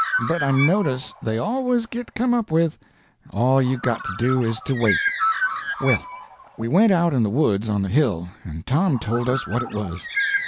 But I notice they always git come up with; all you got to do is to wait. Well, we went out in the woods on the hill, and Tom told us what it was.